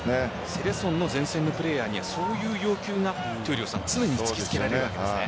セレソンの前線のプレーヤーにはそういう要求が闘莉王さん常に突きつけられるわけですね。